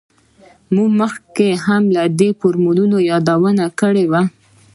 موږ مخکې هم د دې فورمول یادونه کړې وه